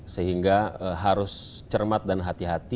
sehingga harus cermat dan hati hati